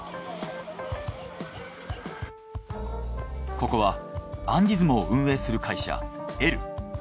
ここはアンディズモを運営する会社エル。